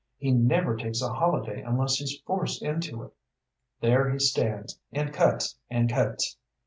He never takes a holiday unless he's forced into it; there he stands and cuts and cuts.